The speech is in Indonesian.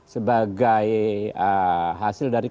sebagai hasil dari